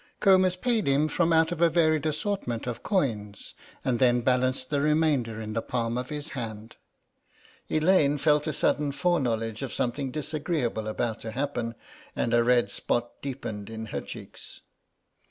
Comus paid him from out of a varied assortment of coins and then balanced the remainder in the palm of his hand. Elaine felt a sudden foreknowledge of something disagreeable about to happen and a red spot deepened in her cheeks.